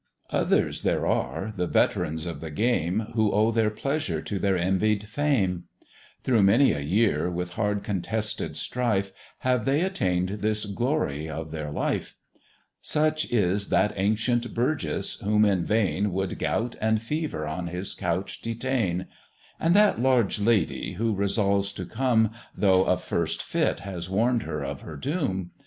Others there are, the veterans of the game, Who owe their pleasure to their envied fame; Through many a year with hard contested strife, Have they attain'd this glory of their life: Such is that ancient burgess, whom in vain Would gout and fever on his couch detain; And that large lady, who resolves to come, Though a first fit has warn'd her of her doom!